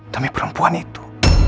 namanya perempuan itu